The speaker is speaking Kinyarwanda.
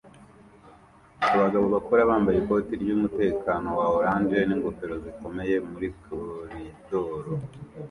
Abagabo bakora bambaye ikoti ryumutekano wa orange n'ingofero zikomeye muri koridoro